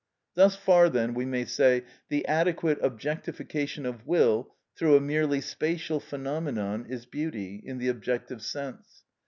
Thus far then we may say: the adequate objectification of will through a merely spatial phenomenon is beauty, in the objective sense.